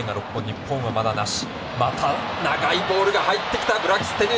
日本は、まだなし。